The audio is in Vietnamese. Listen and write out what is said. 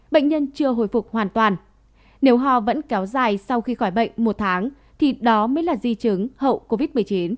bệnh nhân chưa hồi phục hoàn toàn nếu ho vẫn kéo dài sau khi khỏi bệnh một tháng thì đó mới là di chứng hậu covid một mươi chín